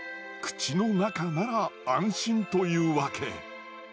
口の中なら安心というわけ。